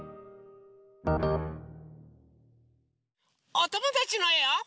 おともだちのえを。